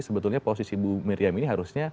sebetulnya posisi bu miriam ini harusnya